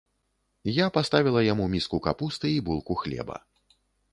Я паставіла яму міску капусты і булку хлеба.